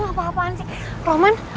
mas kamu apa apaan sih roman